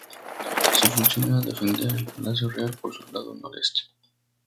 Su función era defender el Palacio Real por su lado noreste.